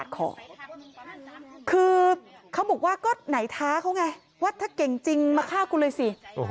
คือเขาบอกว่าก็ไหนท้าเขาไงว่าถ้าเก่งจริงมาฆ่ากูเลยสิ